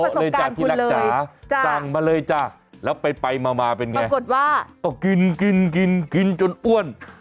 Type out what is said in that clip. เต็มโตะเลยจ้ะที่รักจ๋าจังมาเลยจ้ะแล้วไปมาเป็นอย่างไรปรากฏว่าต้องกินจนอ้วน